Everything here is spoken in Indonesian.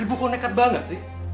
ibu kok nekat banget sih